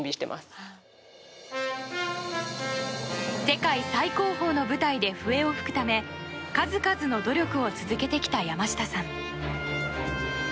世界最候補の舞台で笛を吹くため数々の努力を続けてきた山下さん。